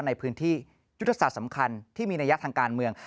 ในพื้นที่ยุทธศาสตร์สำคัญที่มีนัยยะทางการเมือง